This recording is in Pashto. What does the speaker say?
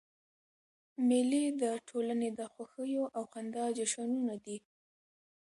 مېلې د ټولني د خوښیو او خندا جشنونه دي.